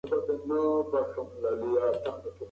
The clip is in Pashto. موږ به په راتلونکي کې پرمختګ وکړو.